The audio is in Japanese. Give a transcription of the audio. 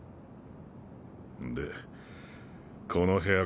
でこの部屋